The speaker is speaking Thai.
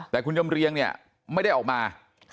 แต่คุณจำเรียงเนี่ยไม่ได้ออกมา